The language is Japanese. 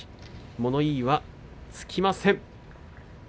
物言いはつきません。